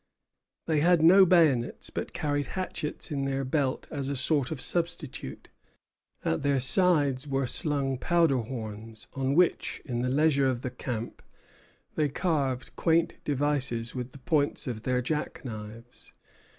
They had no bayonets, but carried hatchets in their belts as a sort of substitute. At their sides were slung powder horns, on which, in the leisure of the camp, they carved quaint devices with the points of their jack knives.